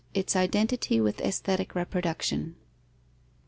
Its identity with aesthetic reproduction.